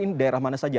ini daerah mana saja